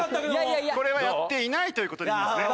これはやっていないという事でいいですね？